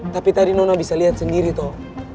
tapi tadi nona bisa liat sendiri toh